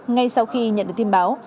ngay sau khi nhận được tin báo